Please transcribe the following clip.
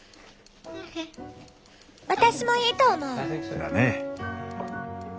私もいいと思う。だね。